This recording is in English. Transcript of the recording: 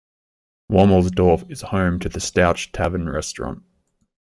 Womelsdorf is home to the Stouch Tavern restaurant.